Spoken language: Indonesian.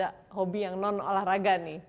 tapi tentunya ada hobi yang non olahraga nih